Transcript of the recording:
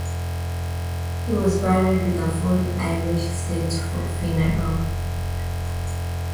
He was buried with a full Irish state funeral.